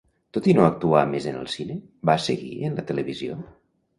Tot i no actuar més en el cine, va seguir en la televisió?